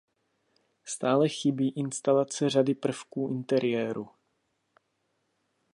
Stále chybí instalace řady prvků interiéru.